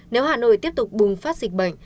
nếu hà nội tiếp tục bùng phát dịch bệnh